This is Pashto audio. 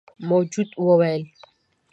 موجود وويل: